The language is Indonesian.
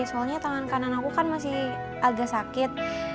soalnya tangan kanan aku kan masih agak sakit